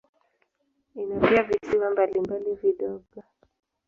Ina pia visiwa mbalimbali vidogo.